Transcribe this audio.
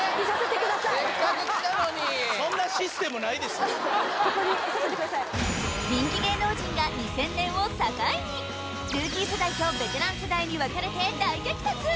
せっかく来たのにここにいさせてください人気芸能人が２０００年を境にルーキー世代とベテラン世代に分かれて大激突